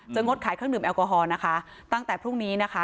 งดขายเครื่องดื่มแอลกอฮอล์นะคะตั้งแต่พรุ่งนี้นะคะ